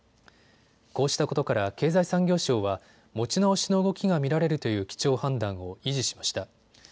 こうしたことから経済産業省は持ち直しの動きが見られるという基調判断を維持しました。